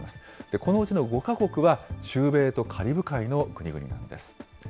このうちの５か国は中米とカリブ海の国々なんです。